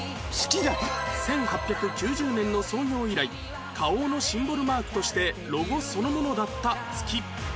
１８９０年の創業以来花王のシンボルマークとしてロゴそのものだった月